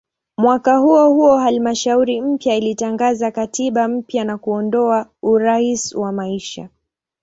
Mwaka huohuo halmashauri mpya ilitangaza katiba mpya na kuondoa "urais wa maisha".